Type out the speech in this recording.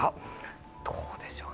どうでしょう。